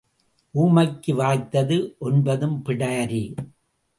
ஊமைக்கு வாய்த்தது ஒன்பதும் பிடாரி.